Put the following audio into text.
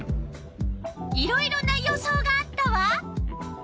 いろいろな予想があったわ。